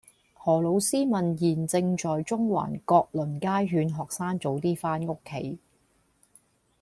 何老師問現正在中環閣麟街勸學生早啲返屋企